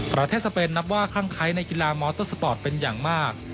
สเปนนับว่าคลั่งไคร้ในกีฬามอเตอร์สปอร์ตเป็นอย่างมาก